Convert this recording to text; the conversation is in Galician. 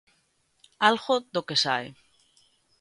Algo do que sae.